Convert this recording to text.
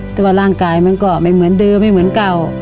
แต่ว่าร่างกายมันก็ไม่เหมือนเดิมไม่เหมือนเก่า